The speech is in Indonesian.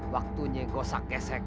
waktunya gosak esek